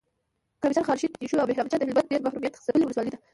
ګرمسیر، خانشین، دیشو اوبهرامچه دهلمند ډیري محرومیت ځپلي ولسوالۍ دي .